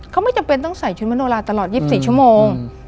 เขาไม่จำเป็นต้องใส่ชุดมโนลาตลอด๒๔ชั่วโมง